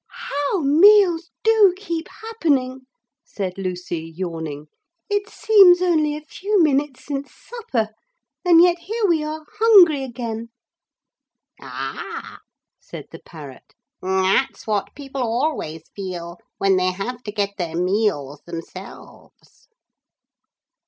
'How meals do keep happening,' said Lucy, yawning; 'it seems only a few minutes since supper. And yet here we are, hungry again!' 'Ah!' said the parrot, 'that's what people always feel when they have to get their meals themselves!'